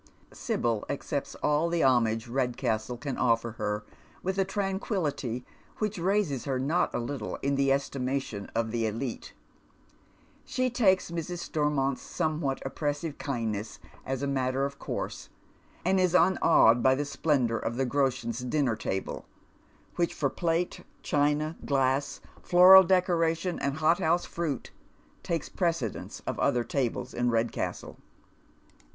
Sibyl accepts all the homage Redcastle can offer her, with a tranquillity which raises her not a little in the estimation of tha elite. She takes Mrs. Stormont's somewhat oppressive kindness as a matter of course, and is unawed by the splendour of the Groshens' dinner table, which for plate, china, glass, floral decoration, and hothouse fi'uit, takes pi ecedence of other tables in Redcastle.